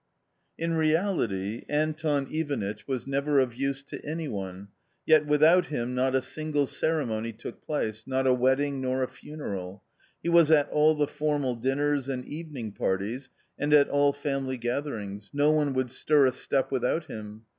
In reality Anton Ivanitch was never of use to any one, yet without him not a single ceremony took place, not a wedding, nor a funeral. He was at all the formal dinners and evening parties and at all family gatherings ; no one would stir a step without him.